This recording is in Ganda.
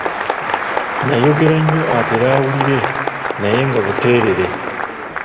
Nayogera nnyo atere awulire naye nga buteerere.